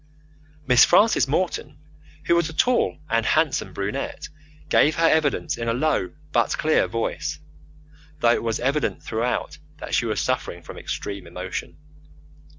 Miss Frances Morton, who was a tall and handsome brunette, gave her evidence in a low but clear voice, though it was evident throughout that she was suffering from extreme emotion.